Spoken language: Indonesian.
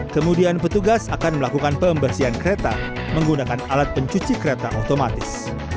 kemudian petugas akan melakukan pembersihan kereta menggunakan alat pencuci kereta otomatis